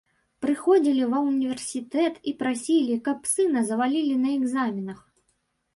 Прыходзілі ва ўніверсітэт і прасілі, каб сына завалілі на экзаменах.